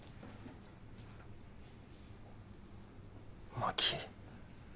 ・真紀。